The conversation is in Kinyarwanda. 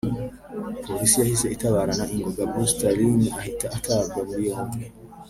Polisi yahise itabarana ingoga Busta Rhymes ahita atabwa muri yombi